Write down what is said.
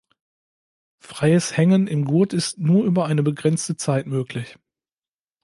Freies Hängen im Gurt ist nur über eine begrenzte Zeit möglich.